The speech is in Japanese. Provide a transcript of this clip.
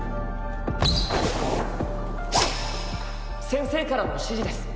先生からの指示です。